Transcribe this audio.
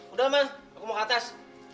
udah mas aku mau ke atas